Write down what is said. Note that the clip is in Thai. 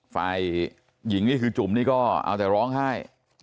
ฝ่ายหญิงนี่คือจุ่มนี่ก็เอาแต่ร้องไห้